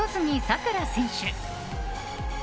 さくら選手。